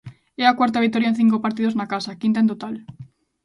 É a cuarta vitoria en cinco partidos na casa, quinta en total.